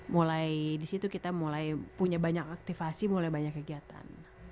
mulai di situ kita mulai punya banyak aktifasi mulai banyak kegiatan